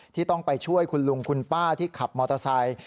ที่ต้องไปช่วยคุณลุงคุณป้าที่ขับมอเตอร์ไซค์